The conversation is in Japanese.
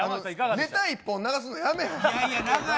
ネタ１本流すのやめへん。